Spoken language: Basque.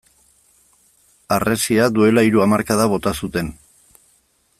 Harresia duela hiru hamarkada bota zuten.